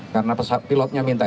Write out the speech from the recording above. karena pilotnya minta